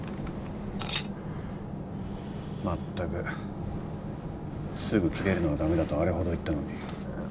まったくすぐキレるのは駄目だとあれほど言ったのに。